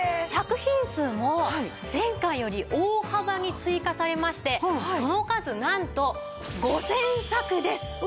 作品数も前回より大幅に追加されましてその数なんと５０００作です。